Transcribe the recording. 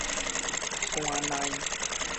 山奈